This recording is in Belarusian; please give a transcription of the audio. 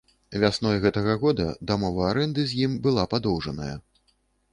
Вясной гэтага года дамова арэнды з ім была падоўжаная.